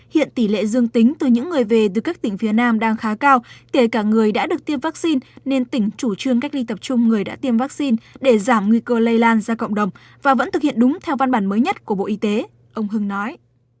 hiện tỷ lệ dương tính từ những người về từ các tỉnh phía nam đang khá cao kể cả người đã được tiêm vaccine nên tỉnh chủ trương cách ly tập trung người đã tiêm vaccine để giảm nguy cơ lây lan ra cộng đồng và vẫn thực hiện đúng theo văn bản mới nhất của bộ y tế ông hưng nói